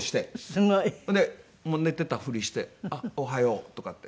すごい！で寝てたふりして「あっおはよう」とかって。